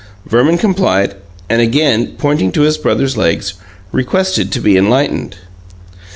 Verman complied, and again pointing to his brother's legs, requested to be enlightened.